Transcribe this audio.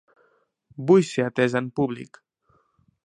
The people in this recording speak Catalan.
Vull ser atés en públic.